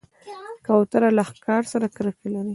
کوتره له ښکار سره کرکه لري.